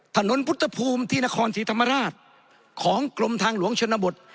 ถนนพุทธภูมิที่นครศรีธรรมราชของกรมทางหลวงชนบท